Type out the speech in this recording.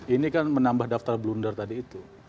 ini kan menambah daftar blunder tadi itu